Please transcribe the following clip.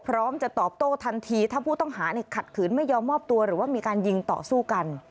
พร้อมจะตอบโต้ทันทีถ้าผู้ต้องหาขัดขืนไม่ยอมมอบตัวหรือว่ามีการยิงต่อสู้กัน